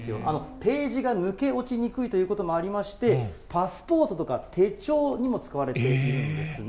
ページが抜け落ちにくいということもありまして、パスポートとか手帳にも使われているんですね。